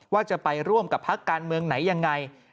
ว่าจะไปร่วมกับพักการเมืองไหนยังไง